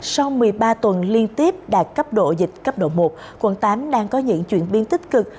sau một mươi ba tuần liên tiếp đạt cấp độ dịch cấp độ một quận tám đang có những chuyển biến tích cực